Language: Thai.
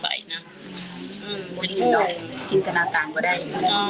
อยากให้สังคมรับรู้ด้วย